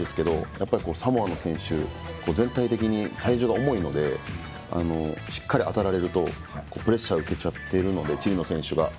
やっぱりサモアの選手、全体的に体重が重いのでしっかり当たられるとプレッシャー受けちゃってるのでチリの選手が。